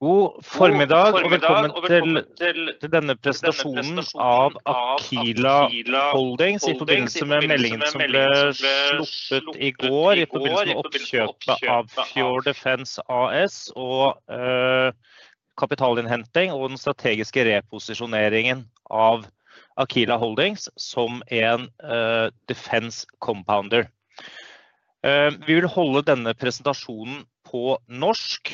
God formiddag, og velkommen til denne presentasjonen av Aquila Holdings i forbindelse med meldingen som ble sluppet i går i forbindelse med oppkjøpet av Fjord Defence AS og kapitalinnhenting og den strategiske reposisjoneringen av Aquila Holdings som en defence compounder. Vi vil holde denne presentasjonen på norsk.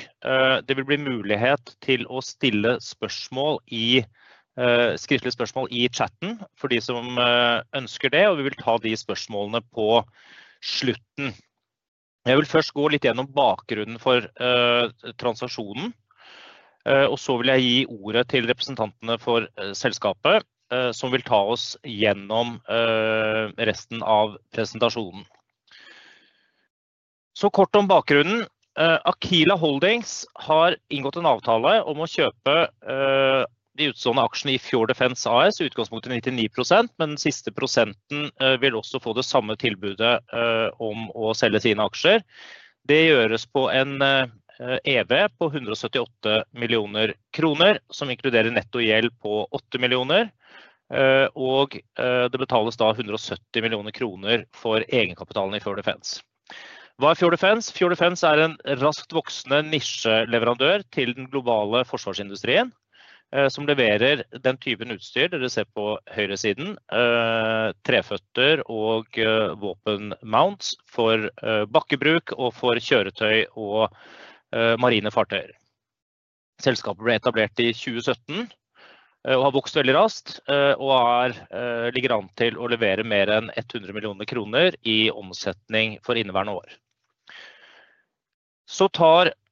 Det vil bli mulighet til å stille skriftlige spørsmål i chatten for de som ønsker det, og vi vil ta de spørsmålene på slutten. Jeg vil først gå litt gjennom bakgrunnen for transaksjonen, og så vil jeg gi ordet til representantene for selskapet som vil ta oss gjennom resten av presentasjonen. Så kort om bakgrunnen: Aquila Holdings har inngått en avtale om å kjøpe de utestående aksjene i Fjord Defence AS, i utgangspunktet 99%, men den siste prosenten vil også få det samme tilbudet om å selge sine aksjer. Det gjøres på en EV på NOK 178 millioner, som inkluderer netto gjeld på NOK 8 millioner, og det betales da NOK 170 millioner for egenkapitalen i Fjord Defence. Hva er Fjord Defence? Fjord Defence er en raskt voksende nisjeleverandør til den globale forsvarsindustrien som leverer den typen utstyr dere ser på høyresiden: treføtter og våpenmounts for bakkebruk og for kjøretøy og marine fartøy. Selskapet ble etablert i 2017 og har vokst veldig raskt, og ligger an til å levere mer enn NOK 100 millioner i omsetning for inneværende år.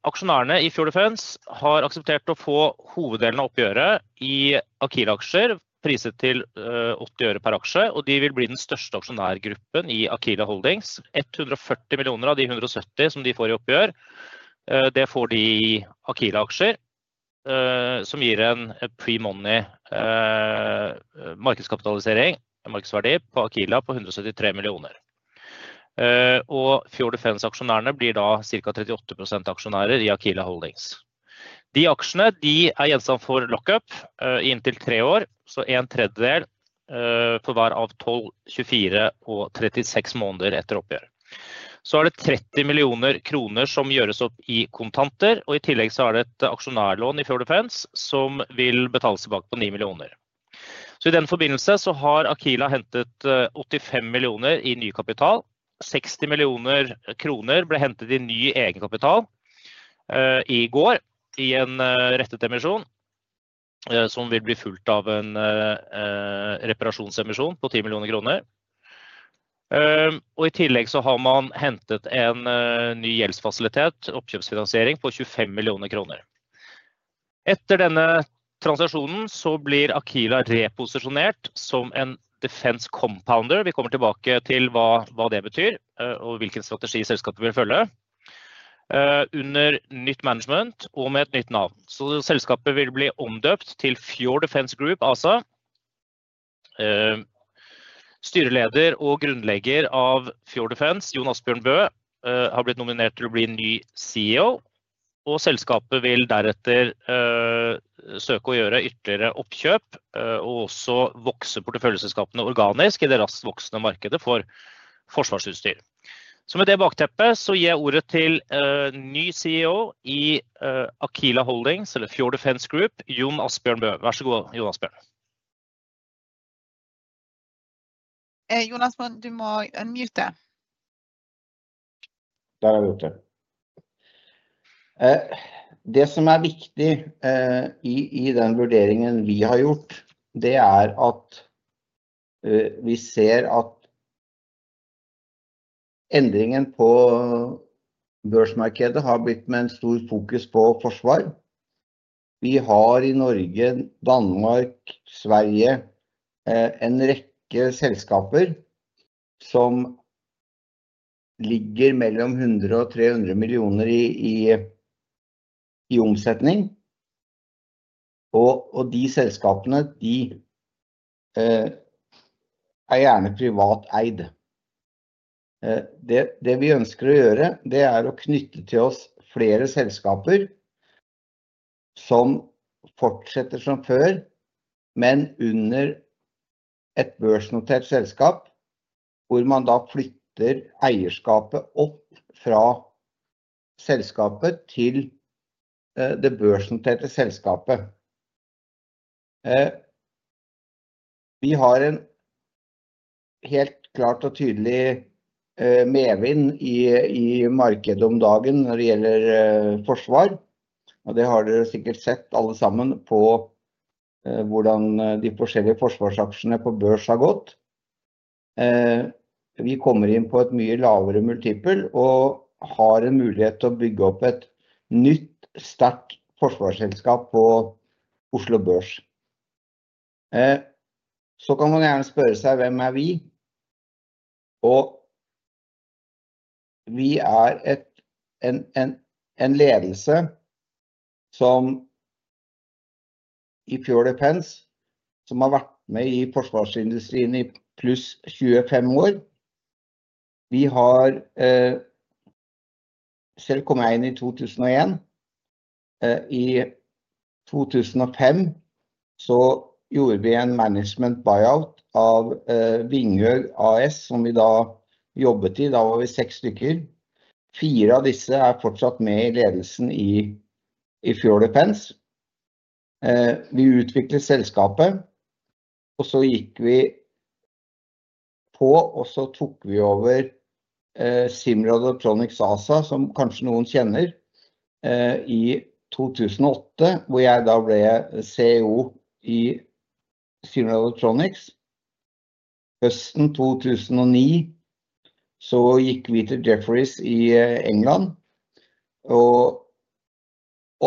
Aksjonærene i Fjord Defence har akseptert å få hoveddelen av oppgjøret i Aquila-aksjer, priset til NOK 0,80 per aksje, og de vil bli den største aksjonærgruppen i Aquila Holdings. NOK 140 millioner av de NOK 170 som de får i oppgjør, det får de i Aquila-aksjer, som gir en pre-money markedskapitalisering, markedsverdi på Aquila på NOK 173 millioner. Og Fjord Defence-aksjonærene blir da cirka 38% aksjonærer i Aquila Holdings. De aksjene gjenstand for lockup i inntil tre år, så en tredjedel for hver av 12, 24 og 36 måneder etter oppgjør. Så det NOK 30 millioner som gjøres opp i kontanter, og i tillegg så det et aksjonærlån i Fjord Defence som vil betales tilbake på NOK 9 millioner. Så i den forbindelse så har Aquila hentet NOK 85 millioner i ny kapital. NOK 60 millioner ble hentet i ny egenkapital i går i en rettet emisjon, som vil bli fulgt av en reparasjonsemisjon på NOK 10 millioner. I tillegg så har man hentet en ny gjeldsfasilitet, oppkjøpsfinansiering på NOK 25 millioner. Etter denne transaksjonen så blir Aquila reposisjonert som en defence compounder. Vi kommer tilbake til hva det betyr og hvilken strategi selskapet vil følge under nytt management og med et nytt navn. Så selskapet vil bli omdøpt til Fjord Defence Group, altså. Styreleder og grunnlegger av Fjord Defence, Jon Asbjørn Bø, har blitt nominert til å bli ny CEO, og selskapet vil deretter søke å gjøre ytterligere oppkjøp og også vokse porteføljeselskapene organisk i det raskt voksende markedet for forsvarsutstyr. Med det bakteppet gir jeg ordet til ny CEO i Aquila Holdings eller Fjord Defence Group, Jon Asbjørn Bø. Vær så snill, Jon Asbjørn. Jon Asbjørn, du må unmute. Der vi ute. Det som viktig i den vurderingen vi har gjort, det at vi ser at endringen på børsmarkedet har blitt med en stor fokus på forsvar. Vi har i Norge, Danmark, Sverige en rekke selskaper som ligger mellom 100 og 300 millioner i omsetning. Og de selskapene, de gjerne privat eid. Det vi ønsker å gjøre, det å knytte til oss flere selskaper som fortsetter som før, men under et børsnotert selskap, hvor man da flytter eierskapet opp fra selskapet til det børsnoterte selskapet. Vi har en helt klart og tydelig medvind i markedet om dagen når det gjelder forsvar, og det har dere sikkert sett alle sammen på hvordan de forskjellige forsvarsaksjene på børs har gått. Vi kommer inn på et mye lavere multipel og har en mulighet til å bygge opp et nytt sterkt forsvarsselskap på Oslo Børs. Så kan man gjerne spørre seg: Hvem vi? Og vi en ledelse som i Fjord Defence, som har vært med i forsvarsindustrien i pluss 25 år. Vi har selv kommet inn i 2001. I 2005 så gjorde vi en management buyout av Vingjør AS, som vi da jobbet i. Da var vi seks stykker. Fire av disse fortsatt med i ledelsen i Fjord Defence. Vi utviklet selskapet, og så gikk vi på, og så tok vi over Simral Electronics ASA, som kanskje noen kjenner, i 2008, hvor jeg da ble CEO i Simral Electronics. Høsten 2009 så gikk vi til Jefferies i England og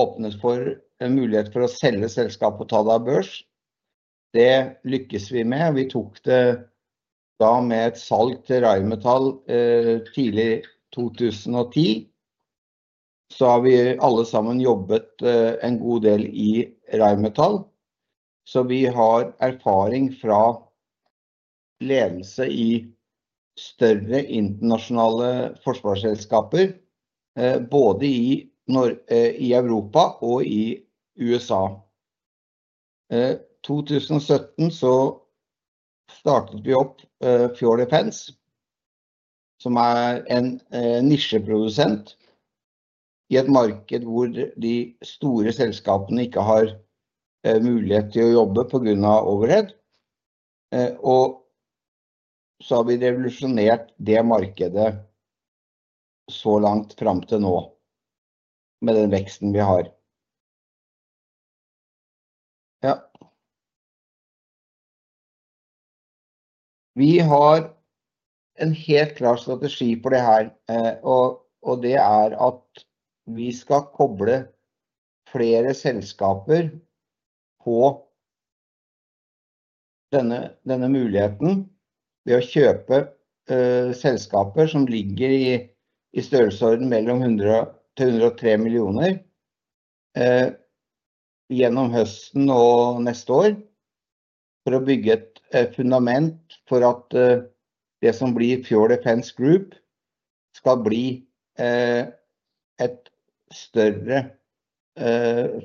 åpnet for en mulighet for å selge selskapet og ta det av børs. Det lykkes vi med, og vi tok det da med et salg til Rheinmetall tidlig 2010. Vi har alle sammen jobbet en god del i Rheinmetall, så vi har erfaring fra ledelse i større internasjonale forsvarsselskaper, både i Europa og i USA. I 2017 startet vi opp Fjord Defence, som en nisjeprodusent i et marked hvor de store selskapene ikke har mulighet til å jobbe på grunn av overhead. Vi har revolusjonert det markedet fram til nå med den veksten vi har. Vi har en helt klar strategi for det her, og det at vi skal koble flere selskaper på denne muligheten ved å kjøpe selskaper som ligger i størrelseorden mellom 100 til 103 millioner gjennom høsten og neste år, for å bygge et fundament for at det som blir Fjord Defence Group skal bli et større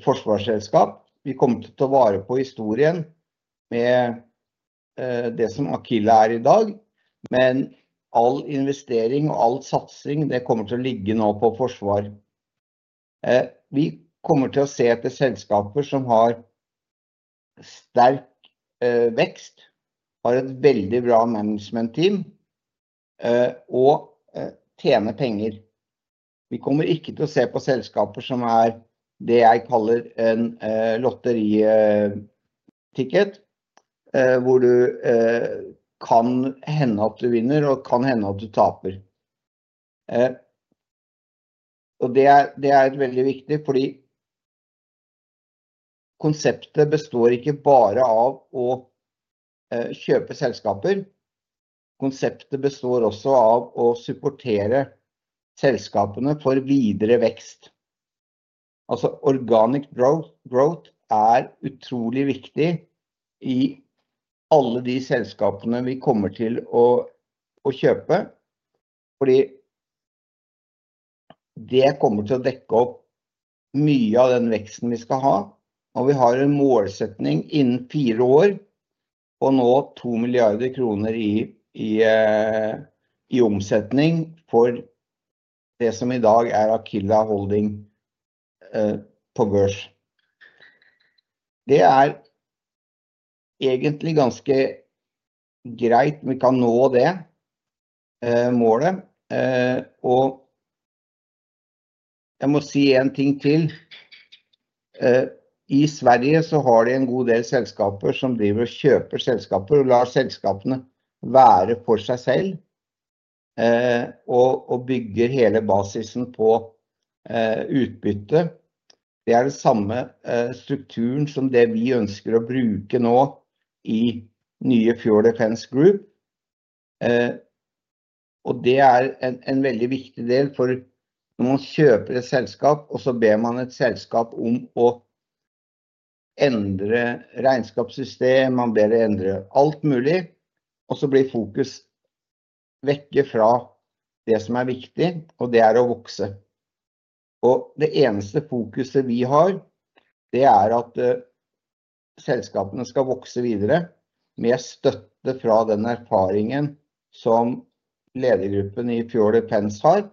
forsvarsselskap. Vi kommer til å ta vare på historien med det som Aquila i dag, men all investering og all satsing, det kommer til å ligge nå på forsvar. Vi kommer til å se etter selskaper som har sterk vekst, har et veldig bra management team og tjener penger. Vi kommer ikke til å se på selskaper som det jeg kaller en lotteriticket, hvor det kan hende at du vinner og kan hende at du taper. Og det veldig viktig, fordi konseptet består ikke bare av å kjøpe selskaper. Konseptet består også av å supportere selskapene for videre vekst. Altså, organic growth utrolig viktig i alle de selskapene vi kommer til å kjøpe, fordi det kommer til å dekke opp mye av den veksten vi skal ha. Og vi har en målsetning innen fire år på nå 2 milliarder kroner i omsetning for det som i dag Aquila Holding på børs. Det er egentlig ganske greit om vi kan nå det målet. Og jeg må si en ting til. I Sverige så har de en god del selskaper som driver og kjøper selskaper og lar selskapene være for seg selv og bygger hele basisen på utbytte. Det er den samme strukturen som det vi ønsker å bruke nå i nye Fjord Defence Group. Og det er en veldig viktig del, for når man kjøper et selskap, og så ber man et selskap om å endre regnskapssystem, man ber det endre alt mulig, og så blir fokus vekk fra det som er viktig, og det å vokse. Og det eneste fokuset vi har, det er at selskapene skal vokse videre med støtte fra den erfaringen som ledergruppen i Fjord Defence har,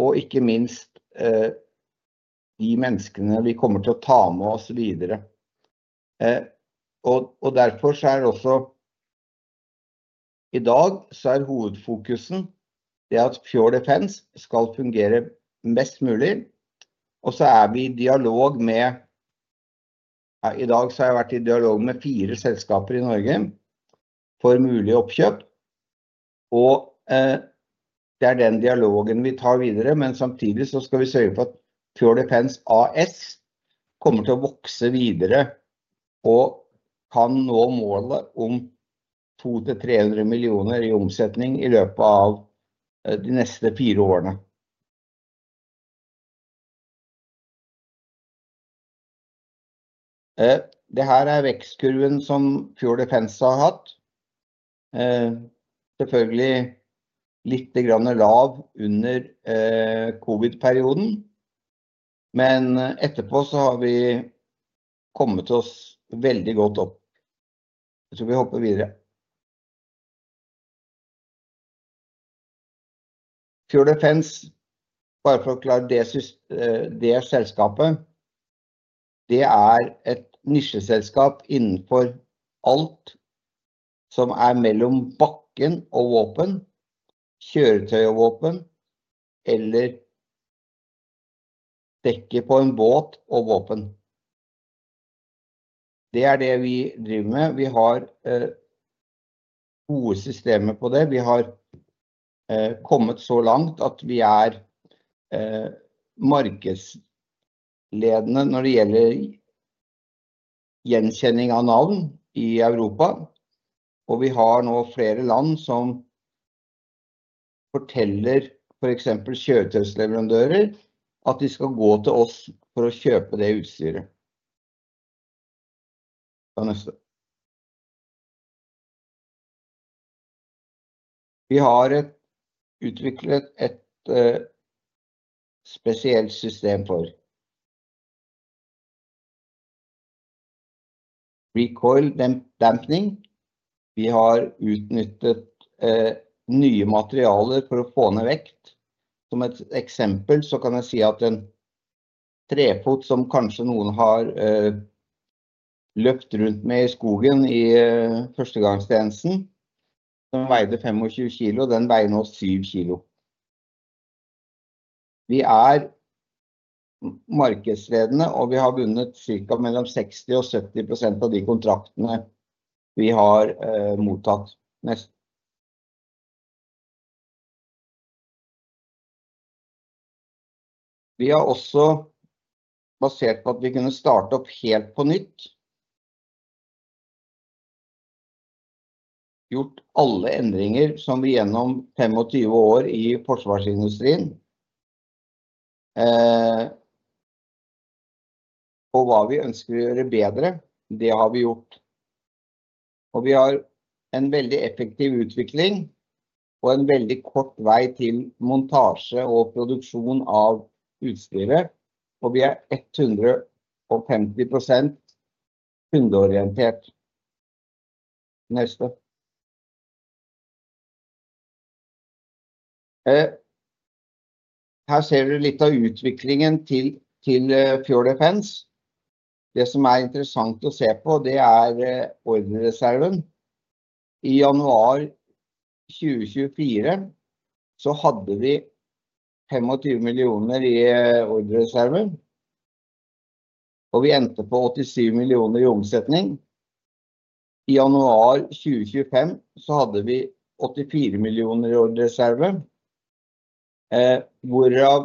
og ikke minst de menneskene vi kommer til å ta med oss videre. Og derfor så det også i dag så hovedfokuset det at Fjord Defence skal fungere mest mulig. Og så vi i dialog med, i dag så har jeg vært i dialog med fire selskaper i Norge for mulig oppkjøp. Og det den dialogen vi tar videre, men samtidig så skal vi sørge for at Fjord Defence AS kommer til å vokse videre og kan nå målet om 200-300 millioner i omsetning i løpet av de neste fire årene. Det her vekstkurven som Fjord Defence har hatt. Selvfølgelig litt lav under covid-perioden, men etterpå så har vi kommet oss veldig godt opp. Jeg tror vi hopper videre. Fjord Defence, bare for å klare det selskapet, det et nisjeselskap innenfor alt som mellom bakken og våpen, kjøretøy og våpen, eller dekke på en båt og våpen. Det det vi driver med. Vi har gode systemer på det. Vi har kommet så langt at vi er markedsledende når det gjelder gjenkjenning av navn i Europa. Vi har nå flere land som forteller for eksempel kjøretøysleverandører at de skal gå til oss for å kjøpe det utstyret. Vi har utviklet et spesielt system for recoil damping. Vi har utnyttet nye materialer for å få ned vekt. Som et eksempel så kan jeg si at en trefot som kanskje noen har løpt rundt med i skogen i førstegangstjenesten, som veide 25 kilo, den veier nå 7 kilo. Vi er markedsledende, og vi har vunnet cirka mellom 60% og 70% av de kontraktene vi har mottatt. Vi har også, basert på at vi kunne starte opp helt på nytt, gjort alle endringer som vi gjennom 25 år i forsvarsindustrien. Hva vi ønsker å gjøre bedre, det har vi gjort. Og vi har en veldig effektiv utvikling og en veldig kort vei til montasje og produksjon av utstyret. Og vi er 150% kundeorientert. Her ser dere litt av utviklingen til Fjord Defence. Det som er interessant å se på, det er ordnereserven. I januar 2024 så hadde vi 25 millioner i ordnereserven, og vi endte på 87 millioner i omsetning. I januar 2025 så hadde vi 84 millioner i ordnereserven, hvorav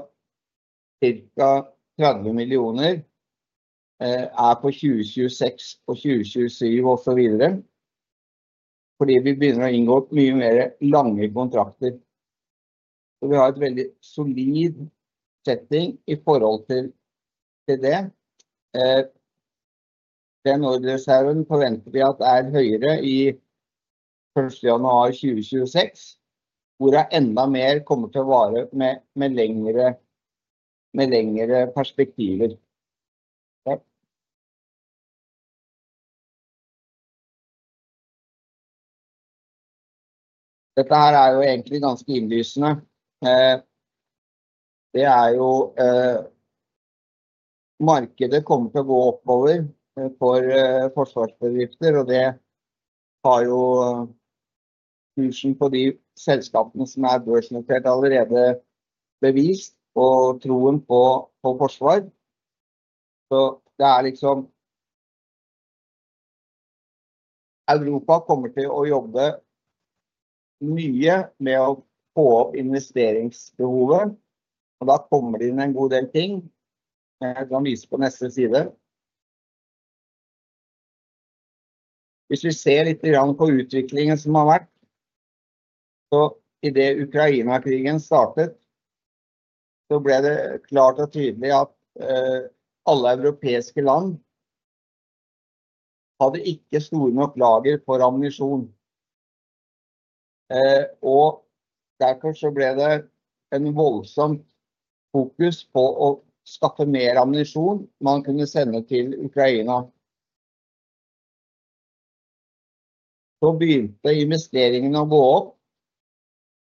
cirka 30 millioner på 2026 og 2027 og så videre, fordi vi begynner å inngå mye mer lange kontrakter. Så vi har et veldig solid setting i forhold til det. Den ordnereserven forventer vi at blir høyere 1. januar 2026, hvor det enda mer kommer til å være med lengre perspektiver. Dette her er jo egentlig ganske innlysende. Det jo markedet kommer til å gå oppover for forsvarsbedrifter, og det har jo kursen på de selskapene som børsnotert allerede bevist, og troen på forsvar. Så det liksom Europa kommer til å jobbe mye med å få opp investeringsbehovet, og da kommer det inn en god del ting. Jeg kan vise på neste side. Hvis vi ser litt på utviklingen som har vært, så i det Ukraina-krigen startet, så ble det klart og tydelig at alle europeiske land hadde ikke store nok lager for ammunisjon. Og derfor så ble det et voldsomt fokus på å skaffe mer ammunisjon man kunne sende til Ukraina. Så begynte investeringene å gå opp,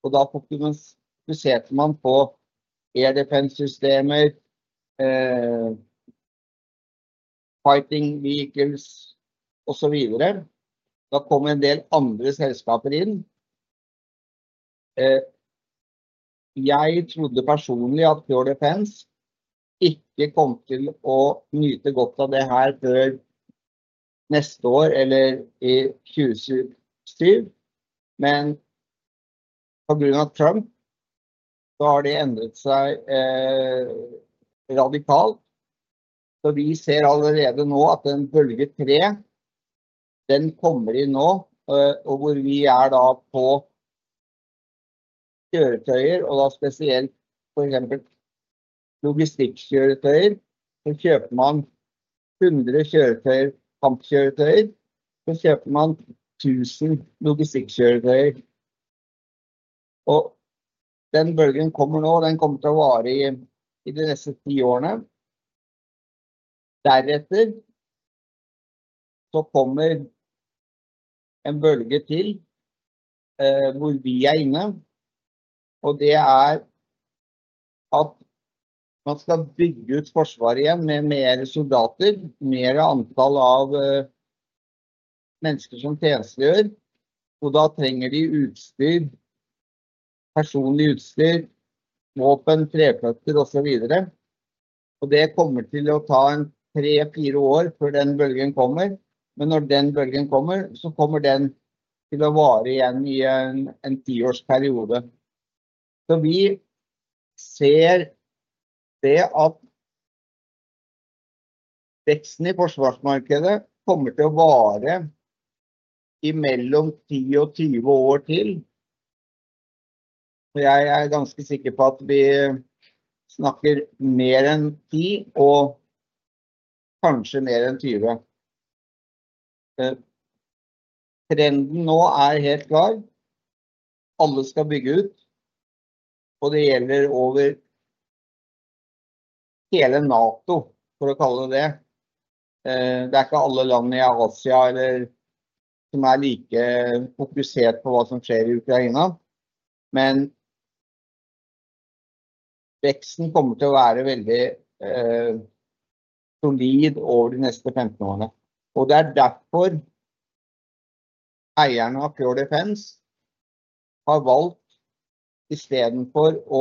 og da fokuserte man på Air Defence-systemer, Fighting Vehicles og så videre. Da kom en del andre selskaper inn. Jeg trodde personlig at Fjord Defence ikke kom til å nyte godt av det her før neste år eller i 2027, men på grunn av Trump så har det endret seg radikalt. Vi ser allerede nå at den bølge 3, den kommer inn nå, og hvor vi da på kjøretøyer, og da spesielt for eksempel logistikk-kjøretøyer. Kjøper man 100 kjøretøyer, kampkjøretøyer, så kjøper man 1000 logistikk-kjøretøyer. Den bølgen kommer nå, og den kommer til å vare i de neste ti årene. Deretter kommer en bølge til, hvor vi inne, og det at man skal bygge ut forsvaret igjen med mer soldater, mer antall av mennesker som tjenestegjør, og da trenger de utstyr, personlig utstyr, våpen, treføtter og så videre. Og det kommer til å ta en 3-4 år før den bølgen kommer, men når den bølgen kommer, så kommer den til å vare igjen i en tiårsperiode. Så vi ser det at veksten i forsvarsmarkedet kommer til å vare i mellom 10 og 20 år til. Og jeg er ganske sikker på at vi snakker mer enn 10, og kanskje mer enn 20. Trenden er nå helt klar. Alle skal bygge ut, og det gjelder over hele NATO, for å kalle det. Det er ikke alle land i Asia som er like fokusert på hva som skjer i Ukraina, men veksten kommer til å være veldig solid over de neste 15 årene. Og det er derfor eierne av Fjord Defence har valgt, i stedet for å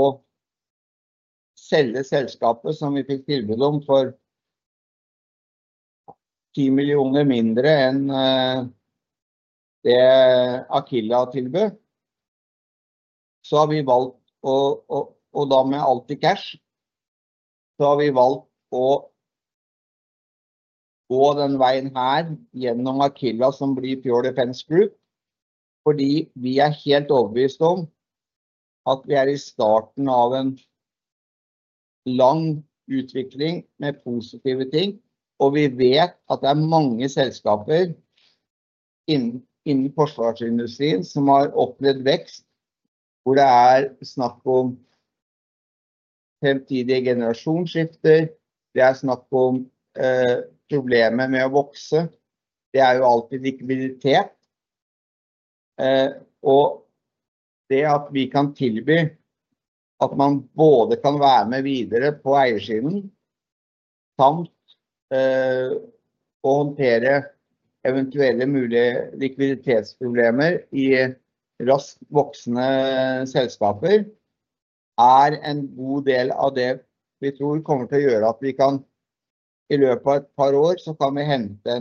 selge selskapet som vi fikk tilbud om for 10 millioner mindre enn det Aquila tilbød, så har vi valgt, og da med alt i cash, så har vi valgt å gå den veien her gjennom Aquila som blir Fjord Defence Group, fordi vi er helt overbevist om at vi er i starten av en lang utvikling med positive ting, og vi vet at det er mange selskaper innen forsvarsindustrien som har opplevd vekst, hvor det er snakk om fremtidige generasjonsskifter, det er snakk om problemer med å vokse, det er jo alltid likviditet, og det at vi kan tilby at man både kan være med videre på eiersiden, samt å håndtere eventuelle mulige likviditetsproblemer i raskt voksende selskaper, er en god del av det vi tror kommer til å gjøre at vi kan i løpet av et par år, så kan vi hente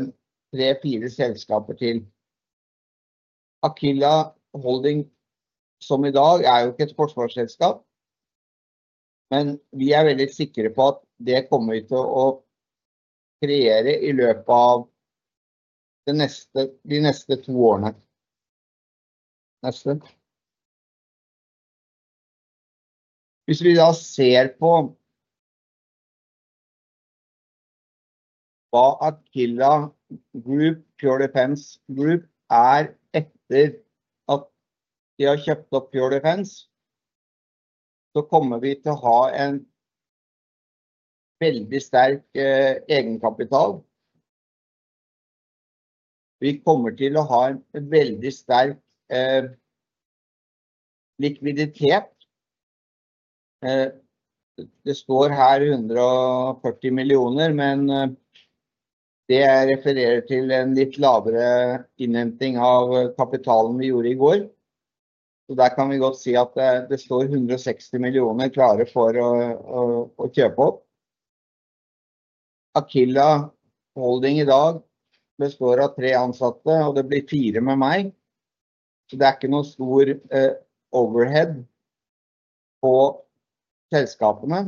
3-4 selskaper til. Aquila Holding som i dag jo ikke er et forsvarsselskap, men vi er veldig sikre på at det kommer vi til å kreere i løpet av de neste to årene. Hvis vi da ser på hva Aquila Group, Fjord Defence Group etter at de har kjøpt opp Fjord Defence, så kommer vi til å ha en veldig sterk egenkapital. Vi kommer til å ha en veldig sterk likviditet. Det står her NOK 140 millioner, men det refererer til en litt lavere innhenting av kapitalen vi gjorde i går. Så der kan vi godt si at det står NOK 160 millioner klare for å kjøpe opp. Aquila Holding i dag består av tre ansatte, og det blir fire med meg. Så det er ikke noe stor overhead på selskapene.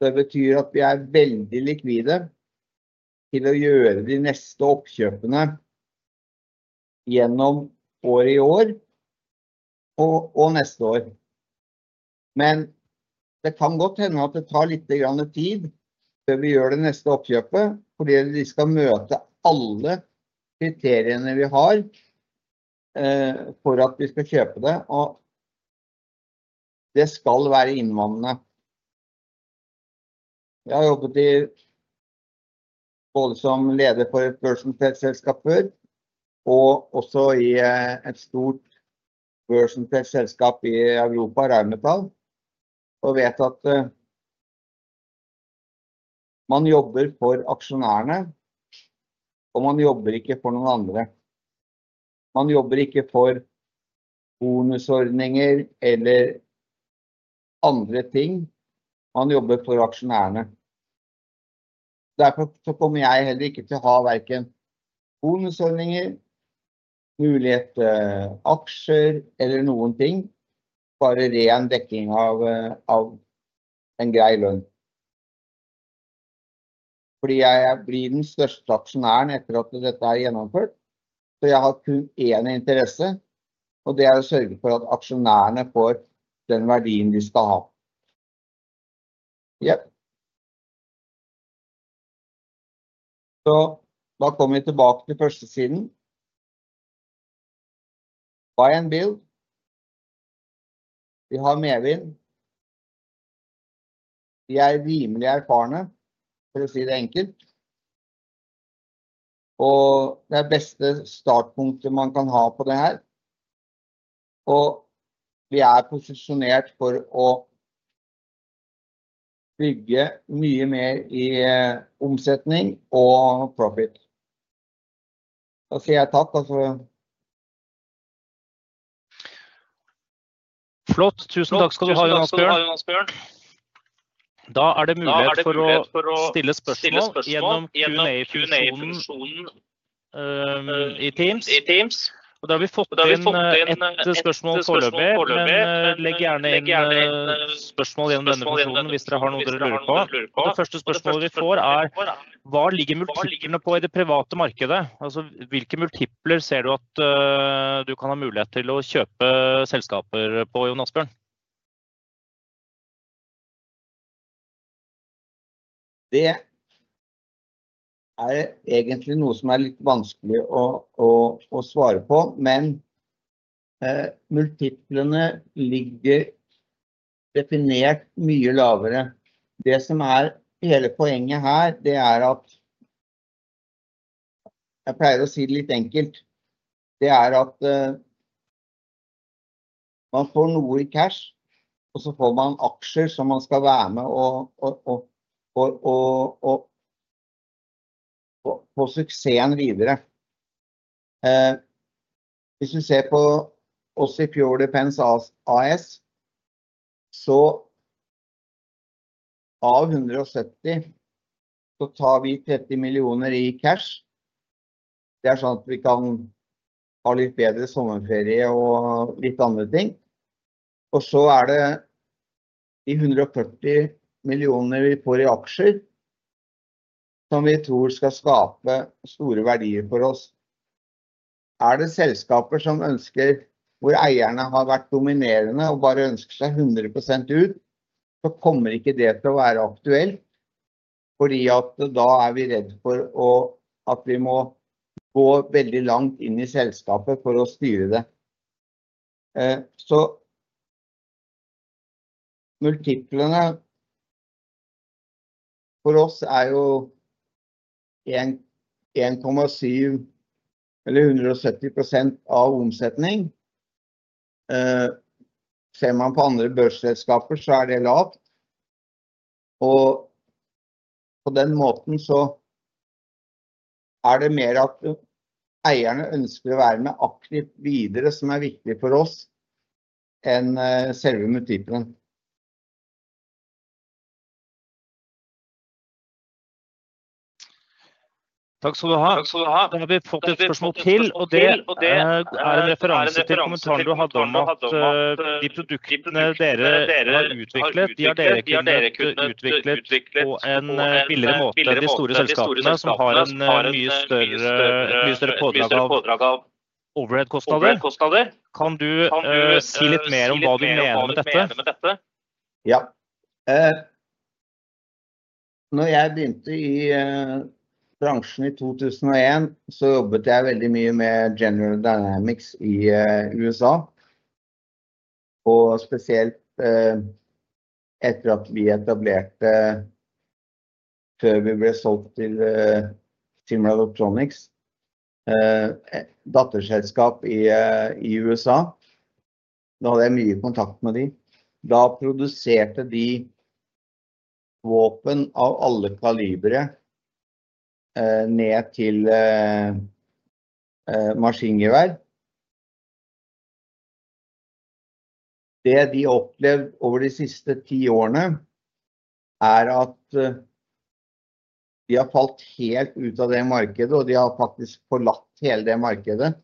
Det betyr at vi er veldig likvide til å gjøre de neste oppkjøpene gjennom i år og neste år. Men det kan godt hende at det tar litt tid før vi gjør det neste oppkjøpet, fordi vi skal møte alle kriteriene vi har for at vi skal kjøpe det, og det skal være inntjenende. Jeg har jobbet både som leder for et børsnotert selskap før, og også i et stort børsnotert selskap i Europa, Rheinmetall, og vet at man jobber for aksjonærene, og man jobber ikke for noen andre. Man jobber ikke for bonusordninger eller andre ting. Man jobber for aksjonærene. Derfor kommer jeg heller ikke til å ha verken bonusordninger, mulighet til aksjer eller noen ting, bare ren dekking av en grei lønn. Fordi jeg blir den største aksjonæren etter at dette er gjennomført, så jeg har kun en interesse, og det er å sørge for at aksjonærene får den verdien de skal ha. Så da kommer vi tilbake til første siden. Buy and build. Vi har medvind. Vi er rimelig erfarne, for å si det enkelt. Og det er det beste startpunktet man kan ha på det her. Og vi er posisjonert for å bygge mye mer i omsetning og profit. Da sier jeg takk. Flott. Tusen takk skal du ha, Jonas Bø. Da er det mulighet for å stille spørsmål gjennom Q&A-funksjonen i Teams. Og da har vi fått inn spørsmål foreløpig. Legg gjerne inn spørsmål gjennom denne funksjonen hvis dere har noe dere lurer på. Det første spørsmålet vi får er: Hva ligger mulighetene på i det private markedet? Altså, hvilke multipler ser du at du kan ha mulighet til å kjøpe selskaper på, Jonas Bø? Det er egentlig noe som er litt vanskelig å svare på, men multiplerne ligger definitivt mye lavere. Det som er hele poenget her, det er at jeg pleier å si det litt enkelt. Det at man får noe i cash, og så får man aksjer som man skal være med å få suksessen videre. Hvis vi ser på oss i Fjord Defence AS, så av 170, så tar vi 30 millioner i cash. Det sånn at vi kan ha litt bedre sommerferie og litt andre ting. Og så det de 140 millioner vi får i aksjer, som vi tror skal skape store verdier for oss. Det selskaper som ønsker, hvor eierne har vært dominerende og bare ønsker seg 100% ut, så kommer ikke det til å være aktuelt, fordi at da vi redd for at vi må gå veldig langt inn i selskapet for å styre det. Så multiplerne for oss jo 1,7 eller 170% av omsetning. Ser man på andre børsselskaper, så det lavt. Og på den måten så det mer at eierne ønsker å være med aktivt videre, som viktig for oss, enn selve multipleren. Takk skal du ha. Da har vi fått et spørsmål til, og det en referanse til kommentaren du hadde om at de produktene dere har utviklet, de har dere ikke utviklet på en billigere måte enn de store selskapene som har en mye større pådrag av overheadkostnader. Kan du si litt mer om hva du mener med dette? Ja. Når jeg begynte i bransjen i 2001, så jobbet jeg veldig mye med General Dynamics i USA, og spesielt etter at vi etablerte, før vi ble solgt til Timber Electronics, datterselskap i USA. Da hadde jeg mye kontakt med de. Da produserte de våpen av alle kalibere ned til maskingevær. Det de har opplevd over de siste ti årene, at de har falt helt ut av det markedet, og de har faktisk forlatt hele det markedet,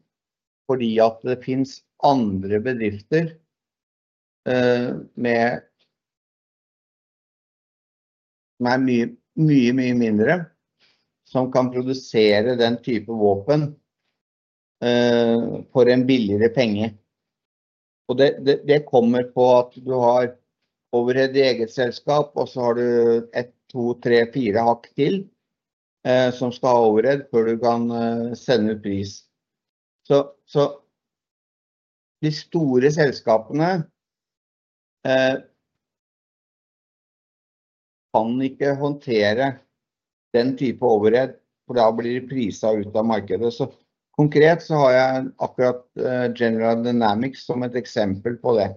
fordi det finnes andre bedrifter med mye, mye, mye mindre som kan produsere den type våpen for billigere penger. Det kommer av at du har overhead i eget selskap, og så har du ett, to, tre, fire hakk til som skal ha overhead før du kan sende ut pris. Så de store selskapene kan ikke håndtere den type overhead, for da blir de priset ut av markedet. Konkret så har jeg akkurat General Dynamics som et eksempel på det.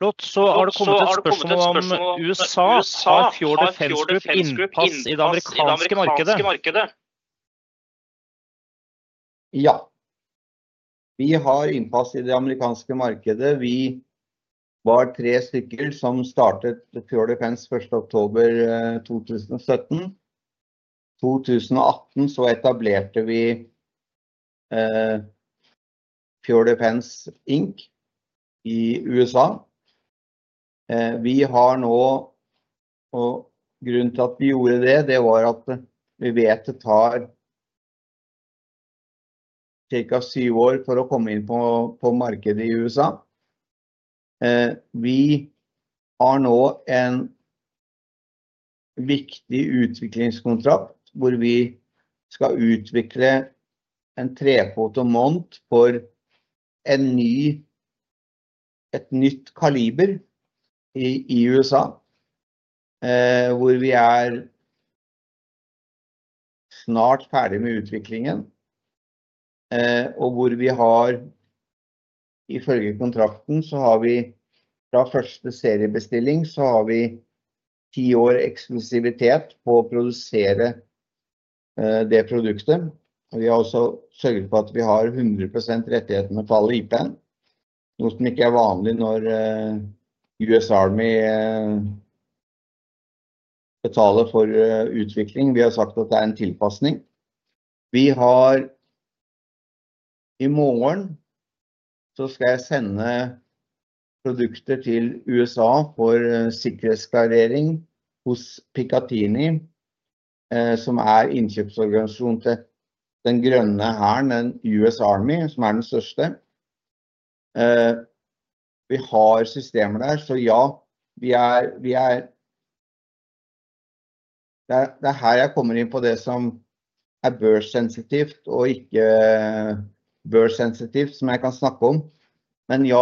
Flott. Så har det kommet et spørsmål om USA har Fjord Defence innpass i det amerikanske markedet. Ja. Vi har innpass i det amerikanske markedet. Vi var tre stykker som startet Fjord Defence 1. oktober 2017. I 2018 så etablerte vi Fjord Defence Inc. i USA. Vi har nå, og grunnen til at vi gjorde det, det var at vi vet det tar cirka syv år for å komme inn på markedet i USA. Vi har nå en viktig utviklingskontrakt hvor vi skal utvikle en trefotomont for et nytt kaliber i USA, hvor vi snart er ferdig med utviklingen, og hvor vi har, ifølge kontrakten, så har vi fra første seriebestilling, så har vi ti år eksklusivitet på å produsere det produktet. Vi har også sørget for at vi har 100% rettigheter med fall i IP, noe som ikke er vanlig når US Army betaler for utvikling. Vi har sagt at det er en tilpassning. Vi har, i morgen så skal jeg sende produkter til USA for sikkerhetsskalering hos Picatinny, som er innkjøpsorganisasjonen til den grønne hæren, den US Army, som er den største. Vi har systemer der, så ja, vi det her jeg kommer inn på det som børssensitivt og ikke børssensitivt, som jeg kan snakke om. Men ja,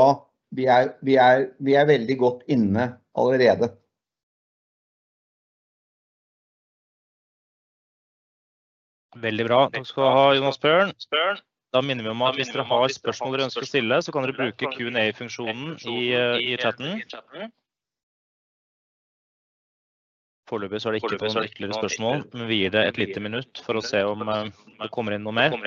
vi vi vi veldig godt inne allerede. Veldig bra. Takk skal du ha, Jonas Bø. Da minner vi om at hvis dere har et spørsmål dere ønsker å stille, så kan dere bruke Q&A-funksjonen i chatten. Foreløpig så det ikke noen ytterligere spørsmål, men vi gir det et lite minutt for å se om det kommer inn noe mer.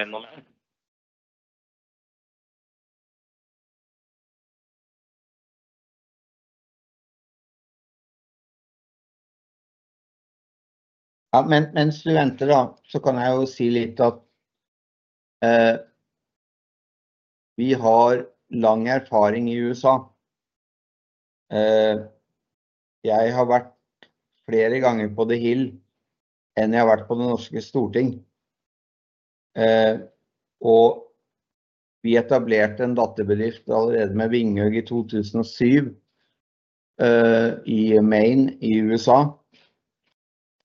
Ja, mens vi venter da, så kan jeg jo si litt at vi har lang erfaring i USA. Jeg har vært flere ganger på The Hill enn jeg har vært på det norske Storting. Vi etablerte en datterbedrift allerede med Vingjøgg i 2007 i Maine i USA.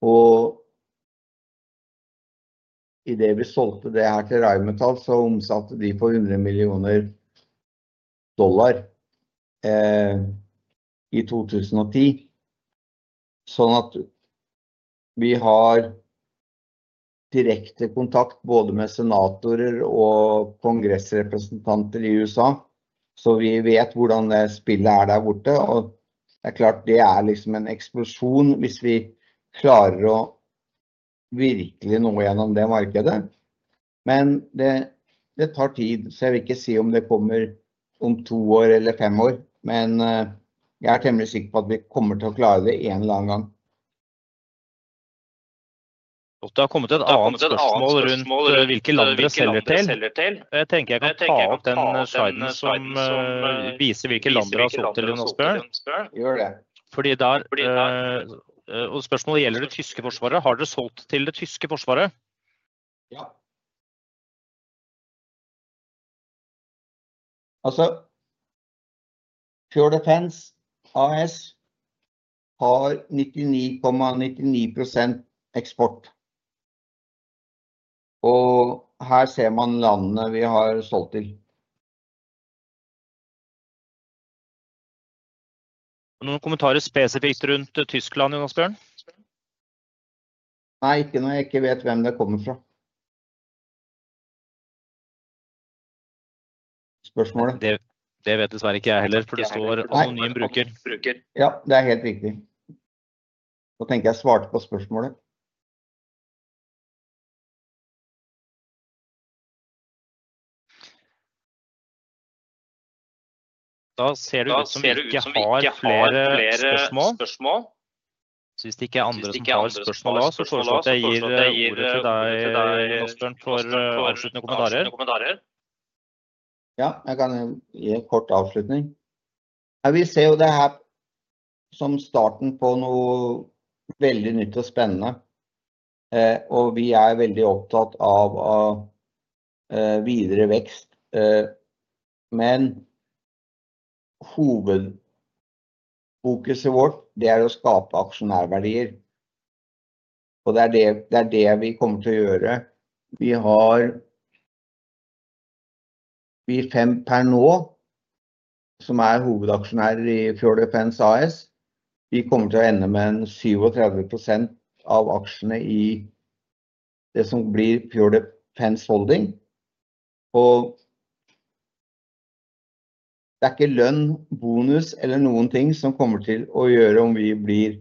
Og i det vi solgte det her til Rheinmetall, så omsatte de for $100 millioner i 2010. Sånn at vi har direkte kontakt både med senatorer og kongressrepresentanter i USA, så vi vet hvordan det spillet der borte. Og det klart, det liksom en eksplosjon hvis vi klarer å virkelig nå gjennom det markedet. Men det, det tar tid, så jeg vil ikke si om det kommer om to år eller fem år, men jeg temmelig sikker på at vi kommer til å klare det en eller annen gang. Det har kommet et annet spørsmål rundt hvilke land vi selger til. Jeg tenker jeg kan ta opp den sliden som viser hvilke land vi har solgt til Jonas Bø. Gjør det. Fordi da, og spørsmålet gjelder det tyske forsvaret. Har dere solgt til det tyske forsvaret? Ja. Altså, Fjord Defence AS har 99,99% eksport. Og her ser man landene vi har solgt til. Noen kommentarer spesifikt rundt Tyskland, Jonas Bø? Nei, ikke når jeg ikke vet hvem det kommer fra. Spørsmålet? Det vet dessverre ikke jeg heller, for det står anonym bruker. Ja, det er helt riktig. Da tenker jeg at jeg svarte på spørsmålet. Da ser du at vi ikke har flere spørsmål. Hvis det ikke er andre som har spørsmål da, så tror jeg at jeg gir ordet til deg, Jonas Bø, for å avslutte med noen kommentarer. Ja, jeg kan gi en kort avslutning. Jeg vil se på det her som starten på noe veldig nytt og spennende. Vi er veldig opptatt av videre vekst. Men hovedfokuset vårt er å skape aksjonærverdier. Det er det vi kommer til å gjøre. Vi har fem hovedaksjonærer i Fjord Defence AS per nå. Vi kommer til å ende med 37% av aksjene i det som blir Fjord Defence Holding. Og det ikke lønn, bonus eller noen ting som kommer til å gjøre om vi blir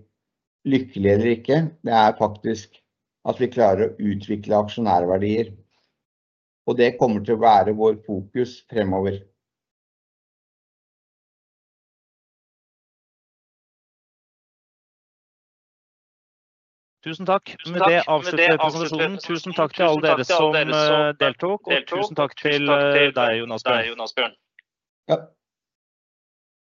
lykkelige eller ikke. Det faktisk at vi klarer å utvikle aksjonærverdier. Og det kommer til å være vårt fokus fremover. Tusen takk. Med det avslutter jeg presentasjonen. Tusen takk til alle dere som deltok. Og tusen takk til deg, Jonas Bø.